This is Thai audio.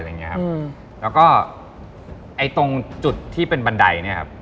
แล้วก็ตรงจุดที่เป็นบันได